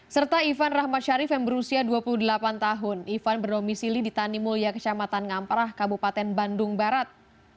serta ivan rahmat sharif yang berusia dua puluh delapan tahun ivan berdomisili di tani mulia kecamatan ngamprah kabupaten bandung barat